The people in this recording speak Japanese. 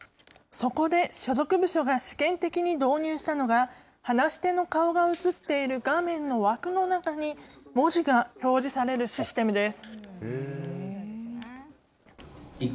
そこで所属部署が試験的に導入したのが、話し手の顔が映っている画面の枠の中に、文字が表示されるシステムです。